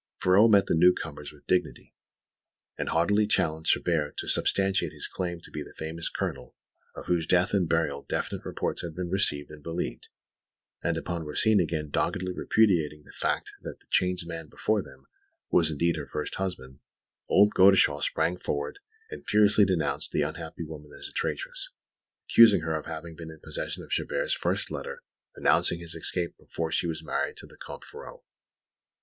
Ferraud met the newcomers with dignity, and haughtily challenged Chabert to substantiate his claim to be the famous Colonel of whose death and burial definite reports had been received and believed; and upon Rosine again doggedly repudiating the fact that the changed man before them was indeed her first husband, old Godeschal sprang forward and furiously denounced the unhappy woman as a traitress, accusing her of having been in possession of Chabert's first letter announcing his escape before she was married to the Comte Ferraud.